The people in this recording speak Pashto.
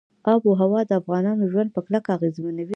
آب وهوا د افغانانو ژوند په کلکه اغېزمنوي.